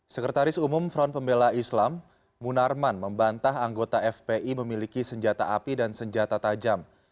sekretaris umum front pembela islam munarman membantah anggota fpi memiliki senjata api dan senjata tajam